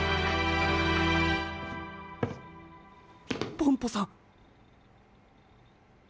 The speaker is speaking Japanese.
ポンポさ。